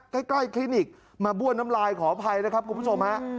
คลินิกมาบ้วนน้ำลายขออภัยนะครับคุณผู้ชมฮะ